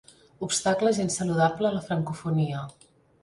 Obstacle gens saludable a la francofonia.